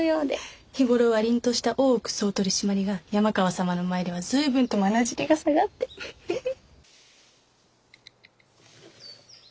日頃は凛とした大奥総取締が山川様の前では随分とまなじりが下がってフフ。